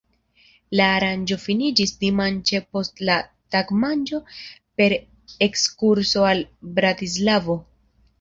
La aranĝo finiĝis dimanĉe post la tagmanĝo per ekskurso al Bratislavo.